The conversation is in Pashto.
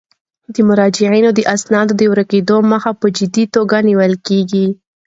د مراجعینو د اسنادو د ورکیدو مخه په جدي توګه نیول کیږي.